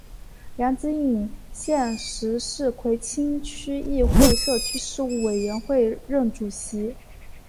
梁子颖现时是葵青区议会社区事务委员会任主席。